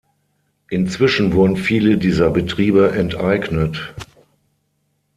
Inzwischen wurden viele dieser Betriebe enteignet.